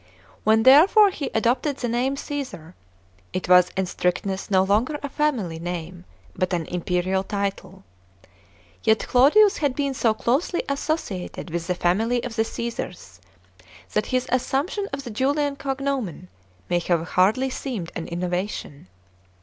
When therefore he adopted the name " Cajsar," it was in strict ness no longer a family name, but an imperial title. Yet Claudius had been so closely associated with the family of the Caesars that his assumption of the Julian cognomen may have har«ily seimed an innovation.